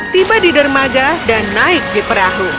tiba di dermaga dan naik di perahu